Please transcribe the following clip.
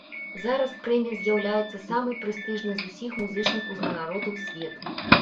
Зараз прэмія з'яўляецца самай прэстыжнай з усіх музычных узнагародаў свету.